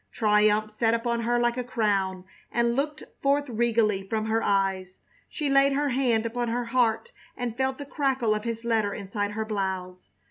Triumph sat upon her like a crown and looked forth regally from her eyes. She laid her hand upon her heart and felt the crackle of his letter inside her blouse.